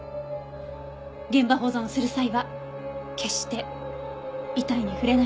現場保存をする際は決して遺体に触れないでください。